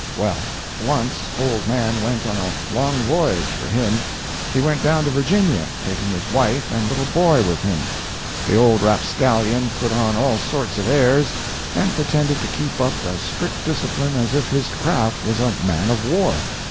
Well, once old Mann went on a long voyage—for him. He went down to Virginia, taking his wife and little boy with him. The old rapscallion put on all sorts of airs, and pretended to keep up as strict discipline as if his craft was a man of war.